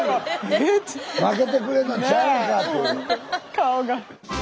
顔が。